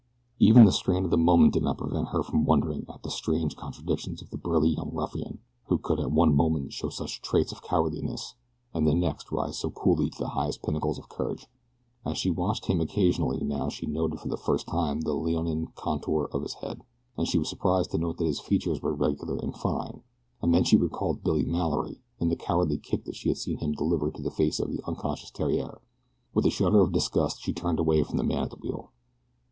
Even the strain of the moment did not prevent her from wondering at the strange contradictions of the burly young ruffian who could at one moment show such traits of cowardliness and the next rise so coolly to the highest pinnacles of courage. As she watched him occasionally now she noted for the first time the leonine contour of his head, and she was surprised to note that his features were regular and fine, and then she recalled Billy Mallory and the cowardly kick that she had seen delivered in the face of the unconscious Theriere with a little shudder of disgust she turned away from the man at the wheel.